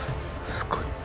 すごい。